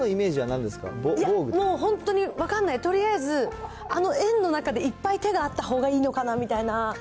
いや、分かんない、とりあえず、あの円の中でいっぱい手があったほうがいいのかなみたいな。